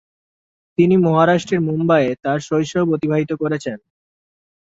তিনি মহারাষ্ট্রের মুম্বইয়ে তাঁর শৈশব অতিবাহিত করেছেন।